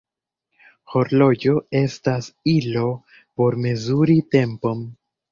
Horloĝo estas ilo por mezuri tempon.